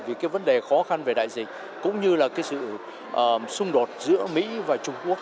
vì cái vấn đề khó khăn về đại dịch cũng như là cái sự xung đột giữa mỹ và trung quốc